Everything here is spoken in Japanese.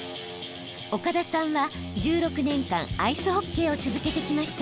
岡田さんは１６年間アイスホッケーを続けてきました。